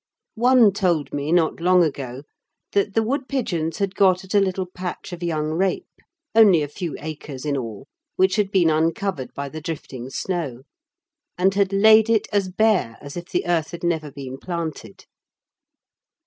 One told me, not long ago, that the woodpigeons had got at a little patch of young rape, only a few acres in all, which had been uncovered by the drifting snow, and had laid it as bare as if the earth had never been planted.